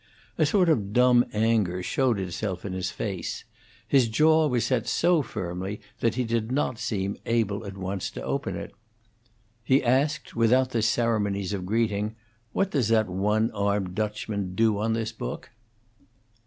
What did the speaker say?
A sort of dumb anger showed itself in his face; his jaw was set so firmly that he did not seem able at once to open it. He asked, without the ceremonies of greeting, "What does that one armed Dutchman do on this book?"